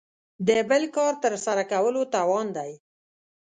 د بل کار تر سره کولو توان دی.